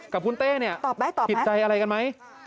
กับคุณเต้เนี่ยตอบผิดใจอะไรกันไหม